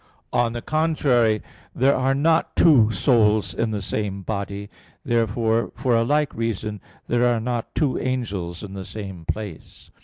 On the contrary, There are not two souls in the same body. Therefore for a like reason there are not two angels in the same place.